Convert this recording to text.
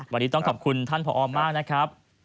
วันนี้ต้องขอบคุณท่านผอมากนะครับ